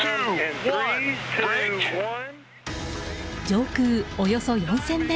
上空およそ４０００ｍ。